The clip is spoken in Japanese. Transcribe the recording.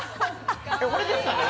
俺ですかね